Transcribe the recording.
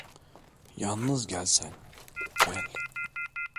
Yalnız gel sen, gel…